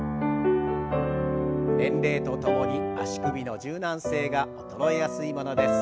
年齢とともに足首の柔軟性が衰えやすいものです。